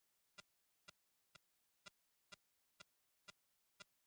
Customs কর্তৃপক্ষ নানা অজুহাতে সিঅ্যান্ডএফ এজেন্টদের মাধ্যমে তাঁদের কাছ থেকে ঘুষ নেয়।